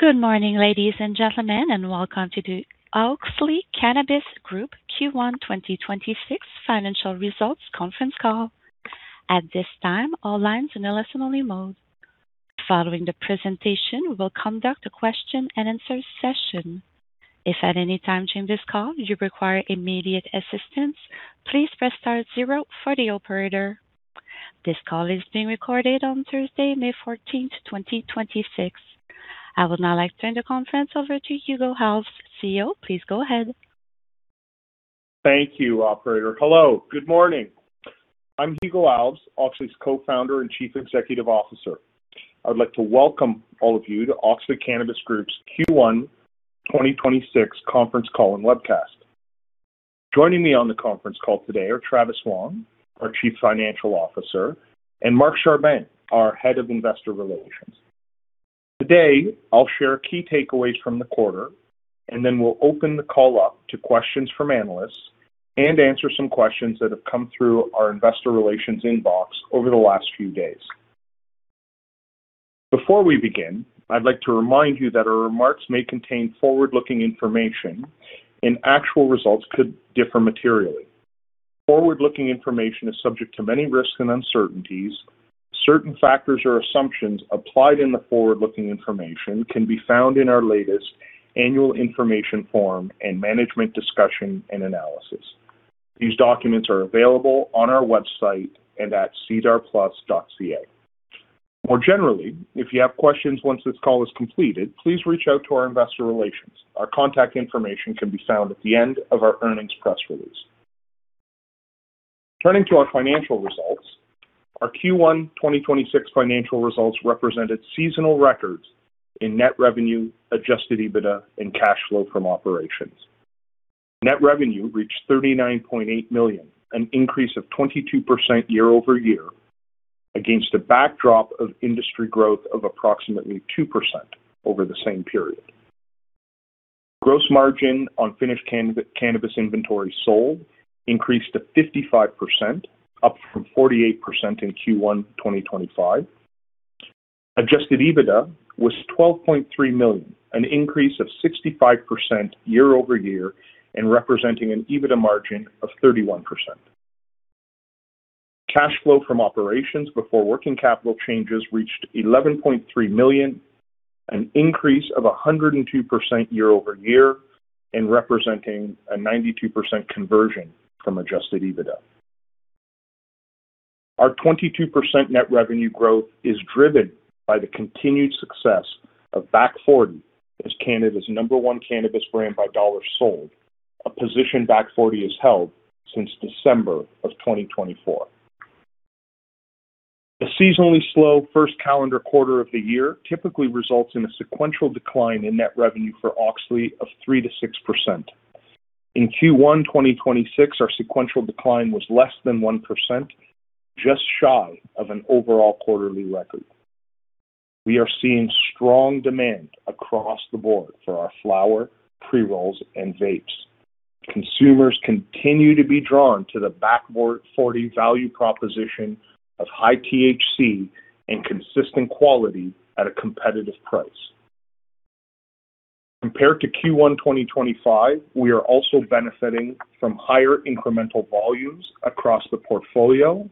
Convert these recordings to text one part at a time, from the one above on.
Good morning, ladies and gentlemen, and welcome to the Auxly Cannabis Group Q1 2026 financial results conference call. At this time, all lines in a listen-only mode. Following the presentation, we will conduct a question-and-answer session. If at any time during this call you require immediate assistance, please press star zero for the operator. This call is being recorded on Thursday, May 14, 2026. I would now like to turn the conference over to Hugo Alves, CEO. Please go ahead. Thank you, operator. Hello, good morning. I'm Hugo Alves, Auxly's co-founder and Chief Executive Officer. I'd like to welcome all of you to Auxly Cannabis Group's Q1 2026 conference call and webcast. Joining me on the conference call today are Travis Wong, our Chief Financial Officer, and Mark Charbonneau, our Head of Investor Relations. Today, I'll share key takeaways from the quarter, and then we'll open the call up to questions from analysts and answer some questions that have come through our investor relations inbox over the last few days. Before we begin, I'd like to remind you that our remarks may contain forward-looking information, and actual results could differ materially. Forward-looking information is subject to many risks and uncertainties. Certain factors or assumptions applied in the forward-looking information can be found in our latest annual information form and management discussion and analysis. These documents are available on our website and at sedarplus.ca. If you have questions once this call is completed, please reach out to our investor relations. Our contact information can be found at the end of our earnings press release. Turning to our financial results, our Q1 2026 financial results represented seasonal records in net revenue, adjusted EBITDA, and cash flow from operations. Net revenue reached 39.8 million, an increase of 22% year-over-year against a backdrop of industry growth of approximately 2% over the same period. Gross margin on finished cannabis inventory sold increased to 55%, up from 48% in Q1 2025. Adjusted EBITDA was 12.3 million, an increase of 65% year-over-year and representing an EBITDA margin of 31%. Cash flow from operations before working capital changes reached 11.3 million, an increase of 102% year-over-year and representing a 92% conversion from adjusted EBITDA. Our 22% net revenue growth is driven by the continued success of Back Forty as Canada's number one cannabis brand by dollars sold, a position Back Forty has held since December of 2024. A seasonally slow first calendar quarter of the year typically results in a sequential decline in net revenue for Auxly of 3%-6%. In Q1 2026, our sequential decline was less than 1%, just shy of an overall quarterly record. We are seeing strong demand across the board for our flower, pre-rolls, and vapes. Consumers continue to be drawn to the Back Forty value proposition of high THC and consistent quality at a competitive price. Compared to Q1 2025, we are also benefiting from higher incremental volumes across the portfolio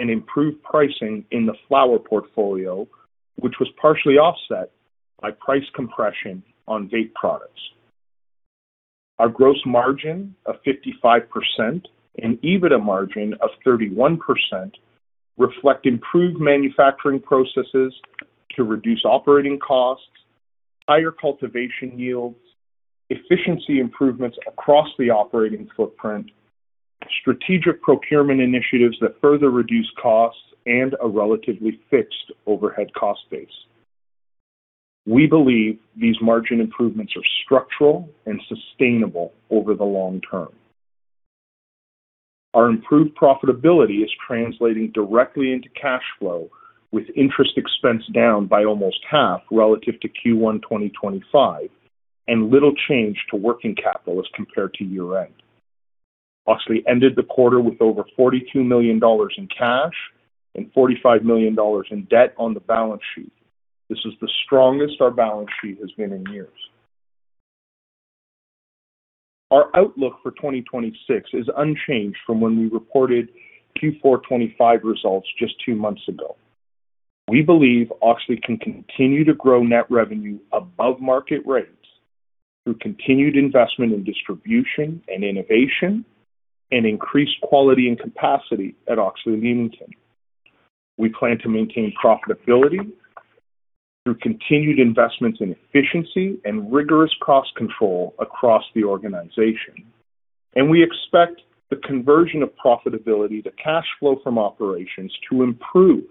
and improved pricing in the flower portfolio, which was partially offset by price compression on vape products. Our gross margin of 55% and EBITDA margin of 31% reflect improved manufacturing processes to reduce operating costs, higher cultivation yields, efficiency improvements across the operating footprint, strategic procurement initiatives that further reduce costs, and a relatively fixed overhead cost base. We believe these margin improvements are structural and sustainable over the long term. Our improved profitability is translating directly into cash flow, with interest expense down by almost half relative to Q1 2025 and little change to working capital as compared to year-end. Auxly ended the quarter with over 42 million dollars in cash and 45 million dollars in debt on the balance sheet. This is the strongest our balance sheet has been in years. Our outlook for 2026 is unchanged from when we reported Q4 2025 results just two months ago. We believe Auxly can continue to grow net revenue above market rates through continued investment in distribution and innovation and increased quality and capacity at Auxly Leamington. We plan to maintain profitability through continued investments in efficiency and rigorous cost control across the organization, and we expect the conversion of profitability to cash flow from operations to improve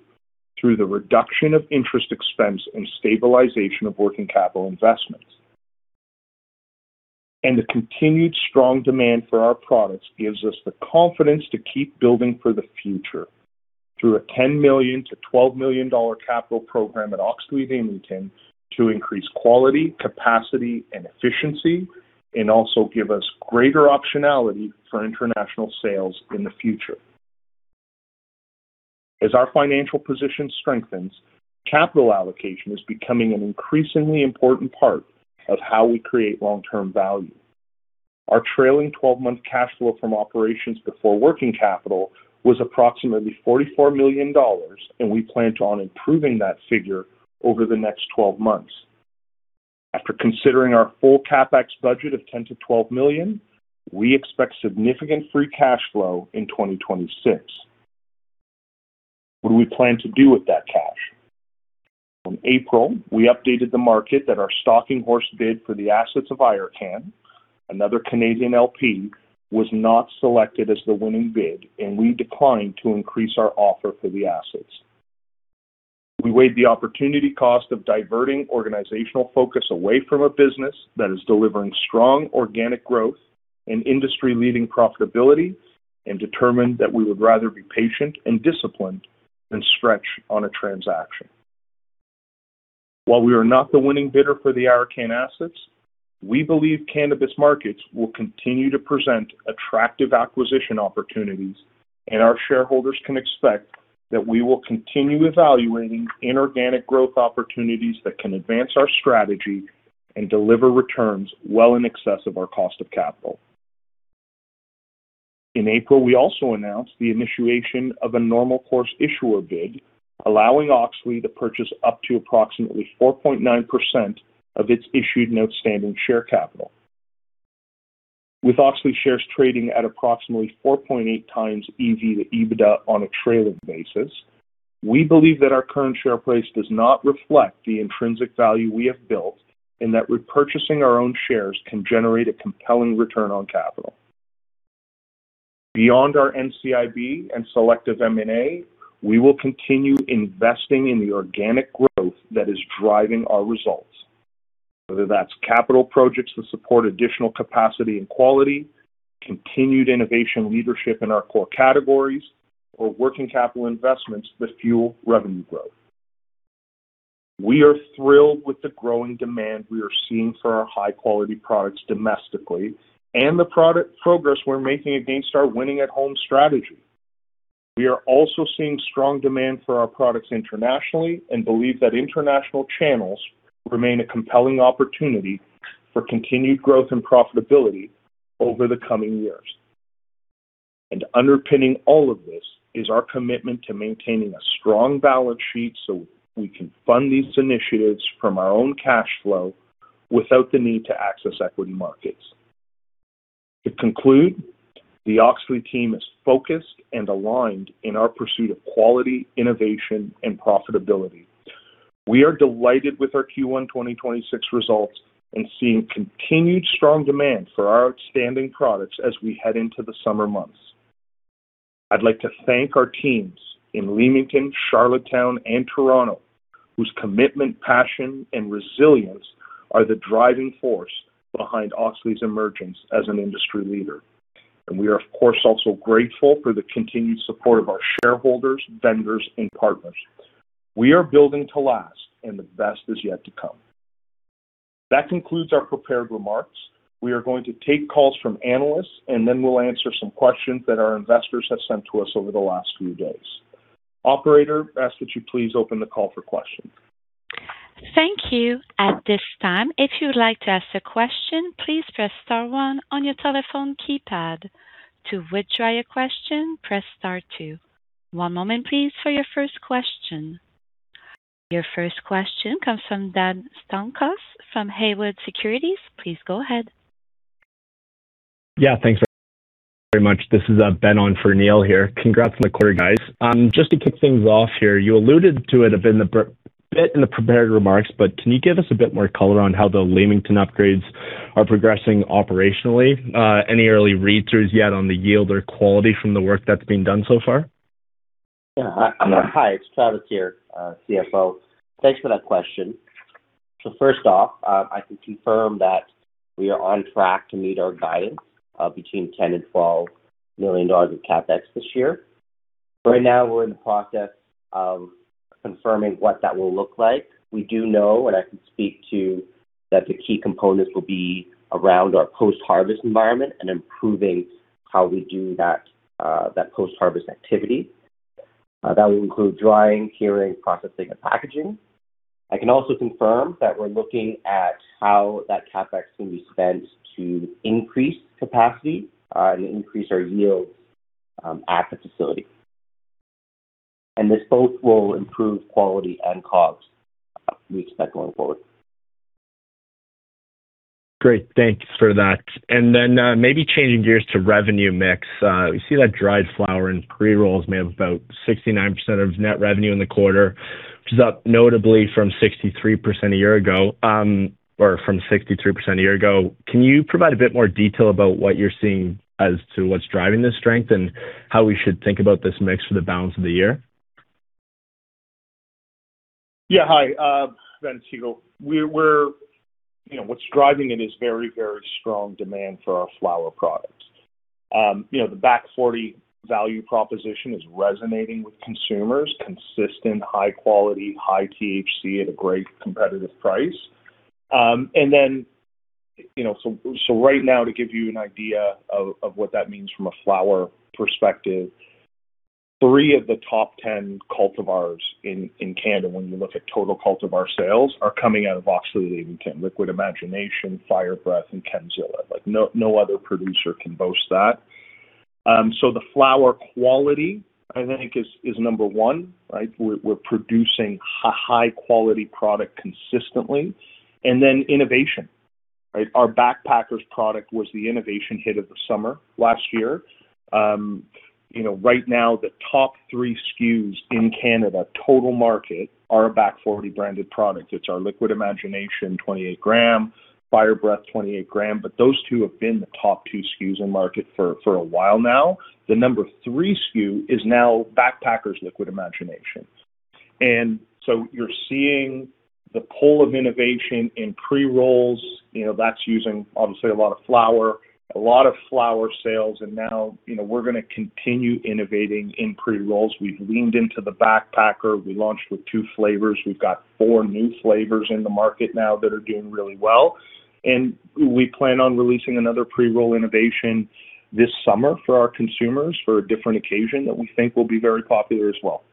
through the reduction of interest expense and stabilization of working capital investments. The continued strong demand for our products gives us the confidence to keep building for the future through a 10 million-12 million dollar capital program at Auxly Leamington to increase quality, capacity, and efficiency and also give us greater optionality for international sales in the future. As our financial position strengthens, capital allocation is becoming an increasingly important part of how we create long-term value. Our trailing 12-month cash flow from operations before working capital was approximately 44 million dollars, and we plan to on improving that figure over the next 12 months. After considering our full CapEx budget of 10 million-12 million, we expect significant free cash flow in 2026. What do we plan to do with that cash? In April, we updated the market that our stalking horse bid for the assets of Ayurcann, another Canadian LP, was not selected as the winning bid. We declined to increase our offer for the assets. We weighed the opportunity cost of diverting organizational focus away from a business that is delivering strong organic growth and industry-leading profitability and determined that we would rather be patient and disciplined than stretch on a transaction. While we are not the winning bidder for the Ayurcann assets, we believe cannabis markets will continue to present attractive acquisition opportunities. Our shareholders can expect that we will continue evaluating inorganic growth opportunities that can advance our strategy and deliver returns well in excess of our cost of capital. In April, we also announced the initiation of a normal course issuer bid, allowing Auxly to purchase up to approximately 4.9% of its issued and outstanding share capital. With Auxly shares trading at approximately 4.8x EV to EBITDA on a trailing basis, we believe that our current share price does not reflect the intrinsic value we have built and that repurchasing our own shares can generate a compelling return on capital. Beyond our NCIB and selective M&A, we will continue investing in the organic growth that is driving our results. Whether that's capital projects that support additional capacity and quality, continued innovation leadership in our core categories, or working capital investments that fuel revenue growth. We are thrilled with the growing demand we are seeing for our high-quality products domestically and the product progress we're making against our winning at home strategy. We are also seeing strong demand for our products internationally and believe that international channels remain a compelling opportunity for continued growth and profitability over the coming years. Underpinning all of this is our commitment to maintaining a strong balance sheet, so we can fund these initiatives from our own cash flow without the need to access equity markets. To conclude, the Auxly team is focused and aligned in our pursuit of quality, innovation, and profitability. We are delighted with our Q1 2026 results and seeing continued strong demand for our outstanding products as we head into the summer months. I'd like to thank our teams in Leamington, Charlottetown, and Toronto, whose commitment, passion, and resilience are the driving force behind Auxly's emergence as an industry leader. We are, of course, also grateful for the continued support of our shareholders, vendors, and partners. We are building to last, and the best is yet to come. That concludes our prepared remarks. We are going to take calls from analysts, and then we'll answer some questions that our investors have sent to us over the last few days. Operator, may I ask that you please open the call for questions. Thank you. At this time, if you would like to ask a question, please press star one on your telephone keypad. To withdraw your question, press star two. One moment, please, for your first question. Your first question comes from Neal Gilmer from Haywood Securities. Please go ahead. Yeah, thanks very much. This is Ben on for Neal here. Congrats on the quarter, guys. Just to kick things off here, you alluded to it a bit in the prepared remarks, can you give us a bit more color on how the Leamington upgrades are progressing operationally? Any early read-throughs yet on the yield or quality from the work that's been done so far? Hi, it's Travis here, CFO. Thanks for that question. First off, I can confirm that we are on track to meet our guidance of between 10 million and 12 million dollars of CapEx this year. Right now, we're in the process of confirming what that will look like. We do know, and I can speak to, that the key components will be around our post-harvest environment and improving how we do that post-harvest activity. That will include drying, curing, processing, and packaging. I can also confirm that we're looking at how that CapEx can be spent to increase capacity and increase our yields at the facility. This both will improve quality and costs, we expect, going forward. Great. Thanks for that. Maybe changing gears to revenue mix. We see that dried flower and pre-rolls made up about 69% of net revenue in the quarter, which is up notably from 63% a year ago. Can you provide a bit more detail about what you're seeing as to what's driving this strength and how we should think about this mix for the balance of the year? Hi, Ben, it's Hugo. You know, what's driving it is very, very strong demand for our flower products. You know, the Back Forty value proposition is resonating with consumers, consistent high quality, high THC at a great competitive price. You know, right now, to give you an idea of what that means from a flower perspective, three of the top 10 cultivars in Canada, when you look at total cultivar sales, are coming out of Auxly Leamington: Liquid Imagination, Fire Breath, and Chemzilla. No other producer can boast that. The flower quality, I think is number 1, right? We're producing a high quality product consistently. Innovation, right? Our Backpackers product was the innovation hit of the summer last year. You know, right now, the top 3 SKUs in Canada total market are a Back Forty branded product. It's our Liquid Imagination 28 gram, Fire Breath 28 gram. Those two have been the top 2 SKUs on market for a while now. The number 3 SKU is now Backpackers Liquid Imagination. You're seeing the pull of innovation in pre-rolls. You know, that's using, obviously, a lot of flower, a lot of flower sales. You know, we're gonna continue innovating in pre-rolls. We've leaned into the Backpacker. We launched with two flavors. We've got four new flavors in the market now that are doing really well. We plan on releasing another pre-roll innovation this summer for our consumers for a different occasion that we think will be very popular as well.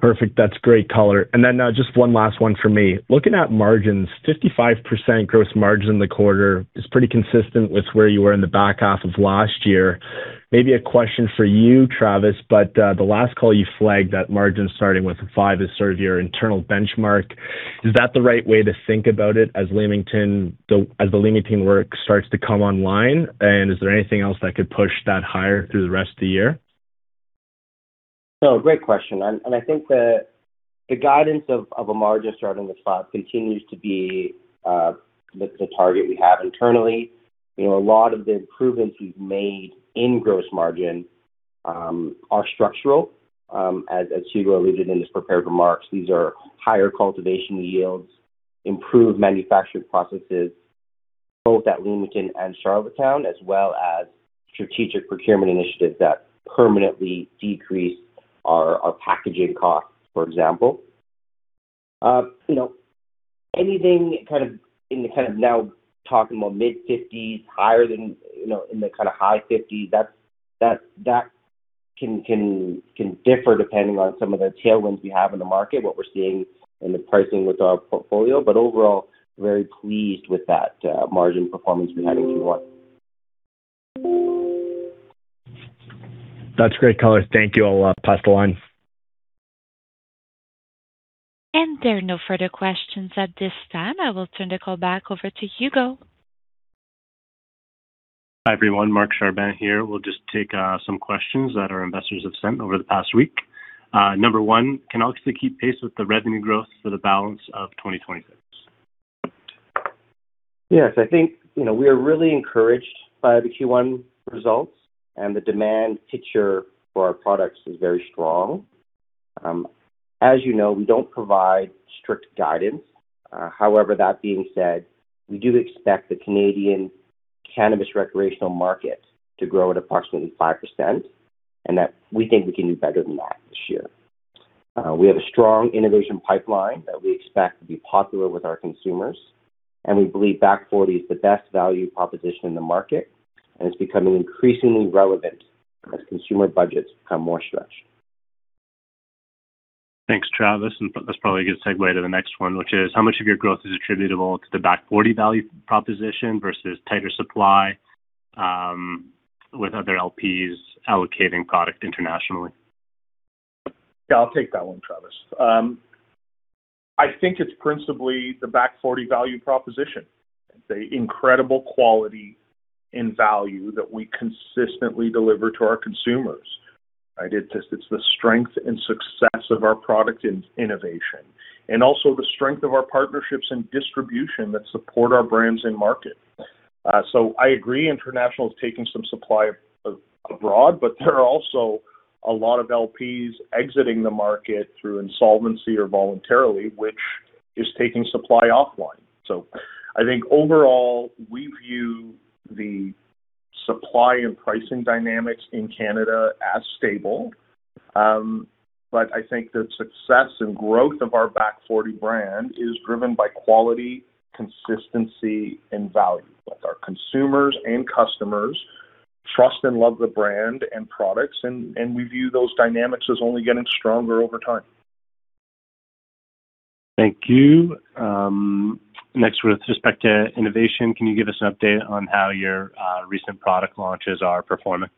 Perfect. That's great color. Just one last one for me. Looking at margins, 55% gross margin in the quarter is pretty consistent with where you were in the back half of last year. Maybe a question for you, Travis, the last call you flagged that margin starting with five is sort of your internal benchmark. Is that the right way to think about it as the Leamington work starts to come online, and is there anything else that could push that higher through the rest of the year? Great question. I think the guidance of a margin starting with five continues to be the target we have internally. You know, a lot of the improvements we've made in gross margin are structural, as Hugo alluded in his prepared remarks. These are higher cultivation yields, improved manufacturing processes, both at Leamington and Charlottetown, as well as strategic procurement initiatives that permanently decrease our packaging costs, for example. You know, anything now talking about mid-50s higher than, you know, in the high 50s, that can differ depending on some of the tailwinds we have in the market, what we're seeing in the pricing with our portfolio. Overall, very pleased with that margin performance we had in Q1. That's great color. Thank you. I'll pass the line. There are no further questions at this time. I will turn the call back over to Hugo. Hi, everyone. Mark Charbonneau here. We'll just take some questions that our investors have sent over the past week. Number one, can Auxly keep pace with the revenue growth for the balance of 2026? Yes. I think, you know, we are really encouraged by the Q1 results, and the demand picture for our products is very strong. As you know, we don't provide strict guidance. However, that being said, we do expect the Canadian cannabis recreational market to grow at approximately 5%, and that we think we can do better than that this year. We have a strong innovation pipeline that we expect to be popular with our consumers, and we believe Back Forty is the best value proposition in the market, and it's becoming increasingly relevant as consumer budgets become more stretched. Thanks, Travis. That's probably a good segue to the next one, which is: How much of your growth is attributable to the Back Forty value proposition versus tighter supply, with other LPs allocating product internationally? Yeah, I'll take that one, Travis. I think it's principally the Back Forty value proposition. It's the incredible quality and value that we consistently deliver to our consumers, right? It's just, it's the strength and success of our product innovation, and also the strength of our partnerships and distribution that support our brands and market. I agree international is taking some supply abroad, but there are also a lot of LPs exiting the market through insolvency or voluntarily, which is taking supply offline. I think overall, we view the supply and pricing dynamics in Canada as stable. I think the success and growth of our Back Forty brand is driven by quality, consistency and value, with our consumers and customers trust and love the brand and products, and we view those dynamics as only getting stronger over time. Thank you. Next, with respect to innovation, can you give us an update on how your recent product launches are performing?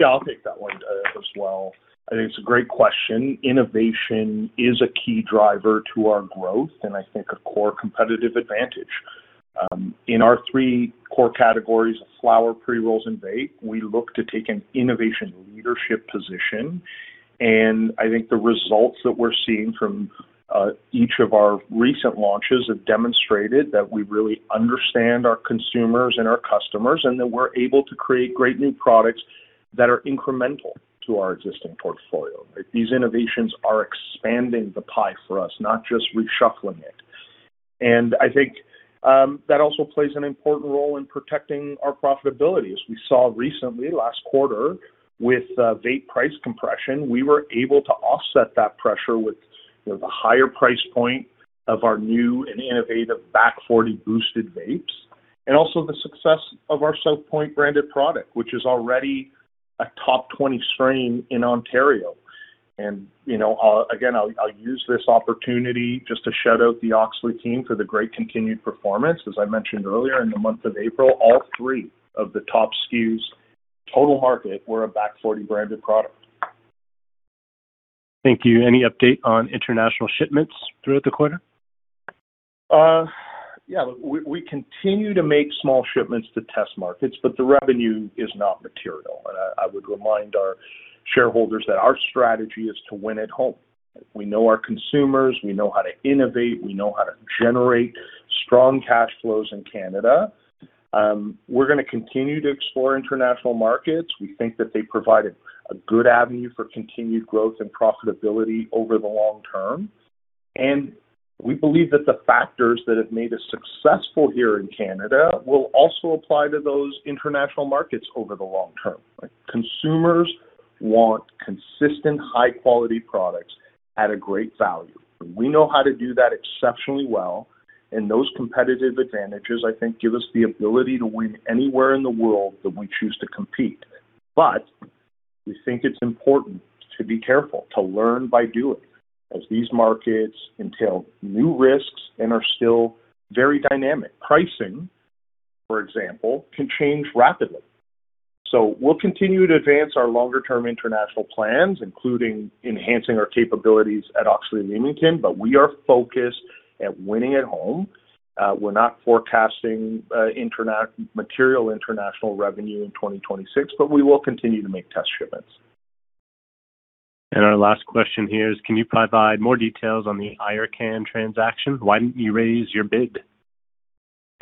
Yeah, I'll take that one as well. I think it's a great question. Innovation is a key driver to our growth and I think a core competitive advantage. In our three core categories of flower, pre-rolls and vape, we look to take an innovation leadership position. I think the results that we're seeing from each of our recent launches have demonstrated that we really understand our consumers and our customers, and that we're able to create great new products that are incremental to our existing portfolio. These innovations are expanding the pie for us, not just reshuffling it. That also plays an important role in protecting our profitability. As we saw recently last quarter with vape price compression, we were able to offset that pressure with, you know, the higher price point of our new and innovative Back Forty boosted vapes, also the success of our South Point branded product, which is already a top 20 strain in Ontario. You know, I'll use this opportunity just to shout out the Auxly team for the great continued performance. As I mentioned earlier, in the month of April, all three of the top SKUs total market were a Back Forty branded product. Thank you. Any update on international shipments throughout the quarter? Yeah. We continue to make small shipments to test markets, the revenue is not material. I would remind our shareholders that our strategy is to win at home. We know our consumers, we know how to innovate, we know how to generate strong cash flows in Canada. We're gonna continue to explore international markets. We think that they provide a good avenue for continued growth and profitability over the long term. We believe that the factors that have made us successful here in Canada will also apply to those international markets over the long term. Consumers want consistent high quality products at a great value. We know how to do that exceptionally well, those competitive advantages, I think, give us the ability to win anywhere in the world that we choose to compete. We think it's important to be careful, to learn by doing, as these markets entail new risks and are still very dynamic. Pricing, for example, can change rapidly. We'll continue to advance our longer term international plans, including enhancing our capabilities at Auxly Leamington, but we are focused at winning at home. We're not forecasting material international revenue in 2026, but we will continue to make test shipments. Our last question here is can you provide more details on the iRCan transaction? Why didn't you raise your bid?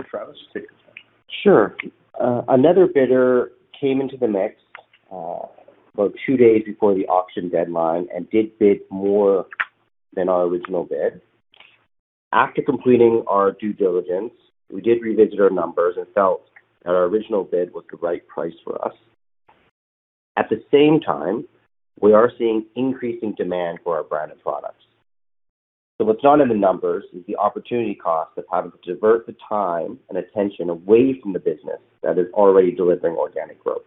Travis, take it. Sure. Another bidder came into the mix, about two days before the auction deadline and did bid more than our original bid. After completing our due diligence, we did revisit our numbers and felt that our original bid was the right price for us. At the same time, we are seeing increasing demand for our branded products. What's not in the numbers is the opportunity cost of having to divert the time and attention away from the business that is already delivering organic growth.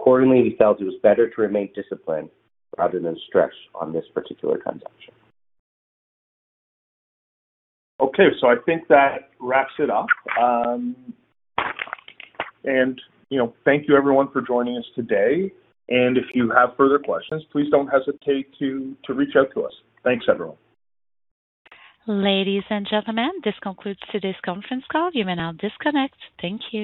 Accordingly, we felt it was better to remain disciplined rather than stretch on this particular transaction. Okay. I think that wraps it up. You know, thank you everyone for joining us today. If you have further questions, please don't hesitate to reach out to us. Thanks, everyone. Ladies and gentlemen, this concludes today's conference call. You may now disconnect. Thank you.